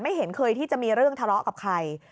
เห็นเคยที่จะมีเรื่องทะเลาะกับใคร